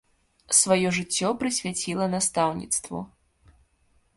Сваё жыццё прысвяціла настаўніцтву.